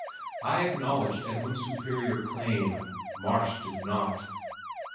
I acknowledged Edwin's superior claim, Marsh did not.